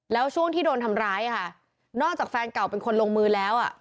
แล้วช่วงที่โดนทำร้ายค่ะนอกจากแฟนเก่าเป็นคนลงมือแล้วอ่ะ